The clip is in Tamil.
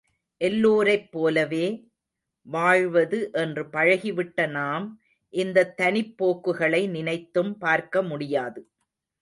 எல்லோரைப் போலவே வாழ்வது என்று பழகிவிட்ட நாம் இந்தத் தனிப்போக்குகளை நினைத்தும் பார்க்க முடியாது.